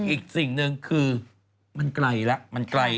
อีกสิ่งหนึ่งคือมันไกลแล้วมันไกล